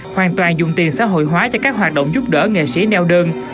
hoàn toàn dùng tiền xã hội hóa cho các hoạt động giúp đỡ nghệ sĩ neo đơn